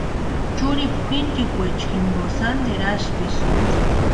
Churhipu kwʼinchikwaecha jimpo sánteru asïpisïnti.